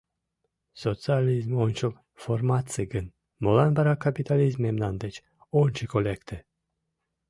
Социализм ончыл формаций гын, молан вара капитализм мемнан деч ончыко лекте?